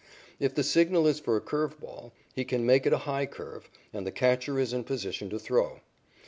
If the signal is for a curved ball, he can make it a high curve, and the catcher is in position to throw.